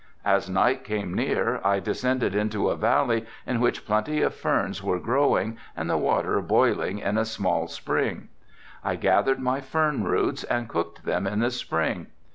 As night came near I descended into a valley in which plenty of ferns were growing and the water boiling in a small spring. I gathered my fern roots and cooked them in the spring.